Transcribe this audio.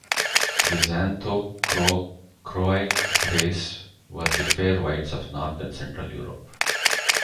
The Xanthochroic race were the "fair whites" of north and central Europe.